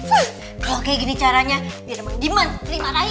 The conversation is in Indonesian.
kalau kayak gini caranya dia emang diman dimarahin